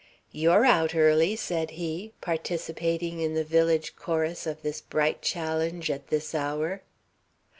"You're out early," said he, participating in the village chorus of this bright challenge at this hour.